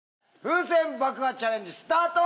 風船爆破チャレンジスタート！